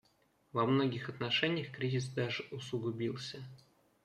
Во многих отношениях кризис даже усугубился.